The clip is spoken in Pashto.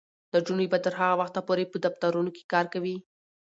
نجونې به تر هغه وخته پورې په دفترونو کې کار کوي.